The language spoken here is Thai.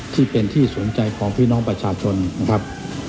ที่เป็นที่สนใจของพี่น้องประชาชนนะครับ